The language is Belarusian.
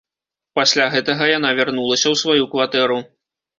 Пасля гэтага яна вярнулася ў сваю кватэру.